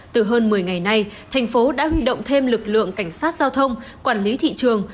từ hơn một mươi ngày nay thành phố đã huy động thêm lực lượng cảnh sát giao thông quản lý thị trường